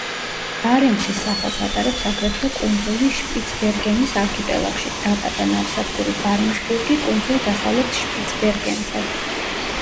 ბარენცის სახელს ატარებს აგრეთვე კუნძული შპიცბერგენის არქიპელაგში, დაბა და ნავსადგური ბარენცბურგი კუნძულ დასავლეთ შპიცბერგენზე.